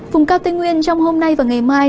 vùng cao tây nguyên trong hôm nay và ngày mai